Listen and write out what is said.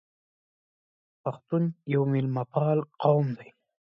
پښتون یو میلمه پال قوم دی.